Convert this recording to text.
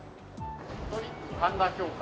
カトリック神田教会。